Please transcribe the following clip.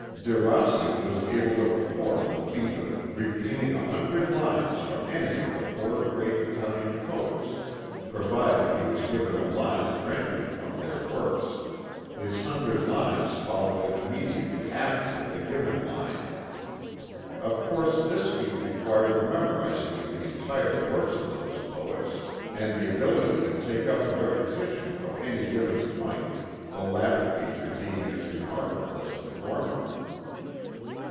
De Rossi was able to perform the feat of repeating a hundred lines from any of the four great Italian poets, provided he was given a line at random from their works his hundred lines following immediately after the given line. Of course this feat required the memorizing of the entire works of those poets, and the ability to take up the repetition from any given point, the latter feature being as remarkable as the former.